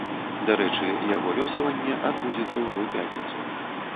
Дарэчы, яго лёсаванне адбудзецца ўжо ў пятніцу.